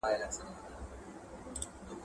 د سپوږمۍ رڼا د لالټين تر رڼا ښه وه.